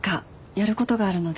やる事があるので。